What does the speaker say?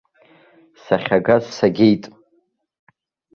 Сахьагаз сагеит.